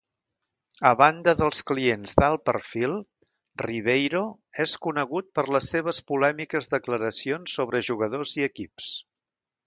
A banda dels clients d'alt perfil, Ribeiro és conegut per les seves polèmiques declaracions sobre jugadors i equips.